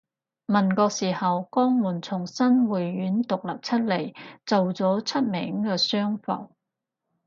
民國時候江門從新會縣獨立出嚟做咗出名嘅商埠